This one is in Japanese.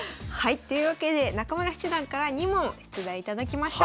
というわけで中村七段から２問出題頂きました。